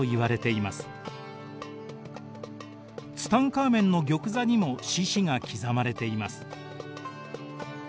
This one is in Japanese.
ツタンカーメンの玉座にも獅子が刻まれています。